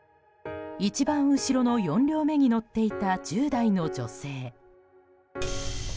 一番後ろの４両目に乗っていた１０代の女性。